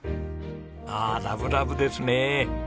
ああラブラブですね。